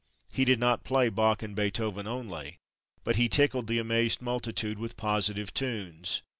He did not play Bach and Beethoven only, but he tickled the amazed multitude with positive tunes.